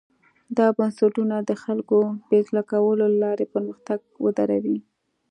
دا بنسټونه د خلکو بېوزله کولو له لارې پرمختګ ودروي.